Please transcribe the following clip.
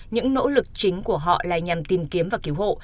những nỗ lực chính của họ là nhằm tìm kiếm và cứu hộ